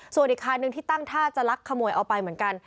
ส่วนอีกคันหนึ่งที่ตั้งท่าจะลักขโมยเอาไปเหมือนกัน